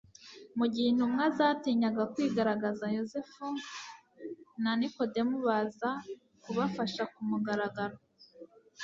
mu gihe intumwa zatinyaga kwigaragaza, Yosefu na Nikodemu baza kubafasha ku mugaragaro.